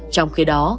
trong khi đó